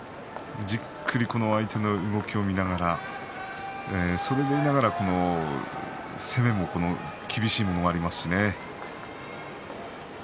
じっくりと相手の動きを見ながらそれでいながら攻めも厳しいものがありますし。